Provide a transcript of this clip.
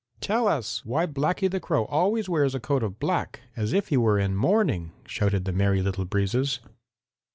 "Tell us why Blacky the Crow always wears a coat of black, as if he were in mourning," shouted the Merry Little Breezes.